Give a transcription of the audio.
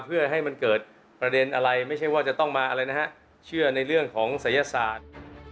เพื่อให้มันเกิดประเด็นอะไรไม่ใช่ว่าจะต้องมาอะไรนะฮะเชื่อในเรื่องของศัยศาสตร์